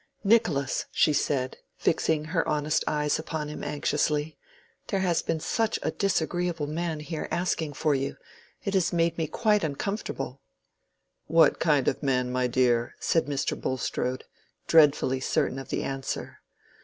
"Nicholas," she said, fixing her honest eyes upon him anxiously, "there has been such a disagreeable man here asking for you—it has made me quite uncomfortable." "What kind of man, my dear," said Mr. Bulstrode, dreadfully certain of the answer.